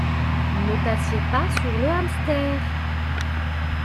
Ne t'assieds pas sur le hamster!